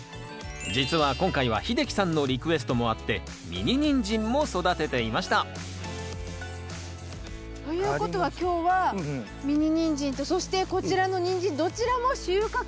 実は今回は秀樹さんのリクエストもあってミニニンジンも育てていましたということは今日はミニニンジンとそしてこちらのニンジンどちらも収穫ができる。